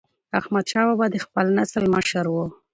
احمدشاه بابا د خپل نسل مشر و.